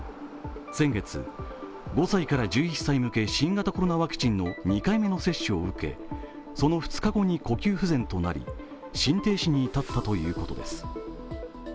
先月、５歳から１１歳向け新型コロナワクチンの２回目の接種を受け、その２日後に呼吸不全となり心停止に至ったということです。